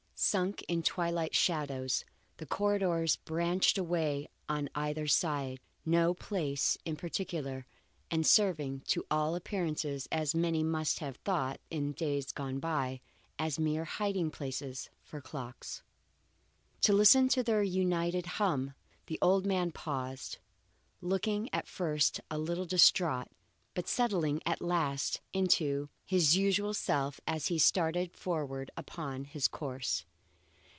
Sunk in twilight shadows, the corridors branched away on either side to no place in particular and serving, to all appearance (as many must have thought in days gone by), as a mere hiding place for clocks. To listen to their united hum, the old man paused, looking at first a little distraught, but settling at last into his usual self as he started forward upon his course.